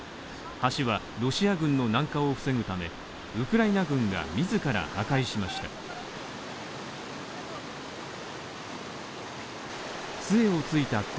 橋はロシア軍の南下を防ぐためウクライナ軍が自ら破壊しました。